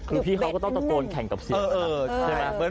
คือพี่เขาก็ต้องตระโกนแข็งกับเสียง